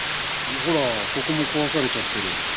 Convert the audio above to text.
ほらここも壊されちゃってる。